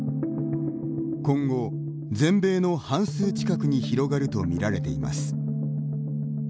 今後、全米の半数近くに広がると見られています。